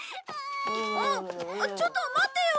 あっちょっと待ってよ！